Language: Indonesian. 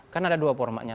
kan ada dua formatnya